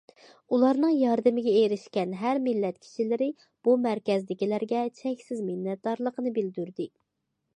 ئۇلارنىڭ ياردىمىگە ئېرىشكەن ھەر مىللەت كىشىلىرى بۇ مەركەزدىكىلەرگە چەكسىز مىننەتدارلىقىنى بىلدۈردى.